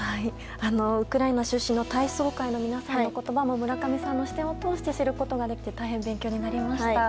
ウクライナ出身の体操界の皆さんの言葉も村上さんの視点を通して知ることができて大変勉強になりました。